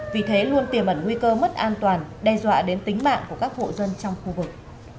vì thế luôn tiềm ẩn nguy cơ mất an toàn đe dọa đến tính mạng của các hộ dân trong khu vực